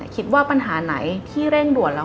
คิดว่าปัญหาไหนที่เร่งด่วนแล้ว